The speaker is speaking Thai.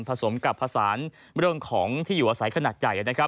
ผสมกับผสานมรวมของที่อยู่อาศัยขนาดใหญ่